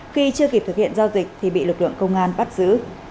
khi chưa kịp thực hiện giao dịch thì bị lực lượng công an bắt giữ